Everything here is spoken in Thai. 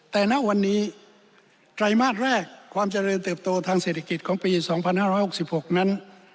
แต่ณวันนี้ไตรมาสแรกความเจริญเติบโตทางเศรษฐกิจของปี๒๕๖๖นั้น